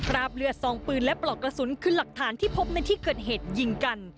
เลือดซองปืนและปลอกกระสุนคือหลักฐานที่พบในที่เกิดเหตุยิงกัน